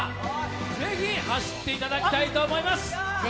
ぜひ走っていただきたいと思います。